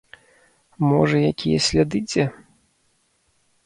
Можа якія сляды дзе?